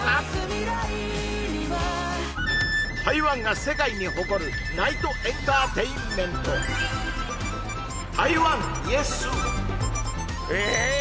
台湾が世界に誇るナイトエンターテインメントええー！？